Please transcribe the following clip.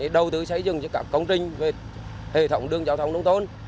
đầu tư xây dựng cho các công trình về hệ thống đường giao thông nông thôn